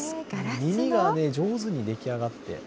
耳が上手に出来上がって。